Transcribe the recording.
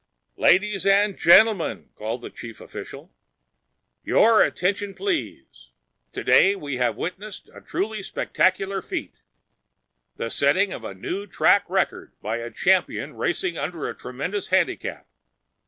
"Ladies and gentlemen!" cried the chief official. "Your attention, please! Today we have witnessed a truly spectacular feat: the setting of a new track record by a champion racing under a tremendous handicap.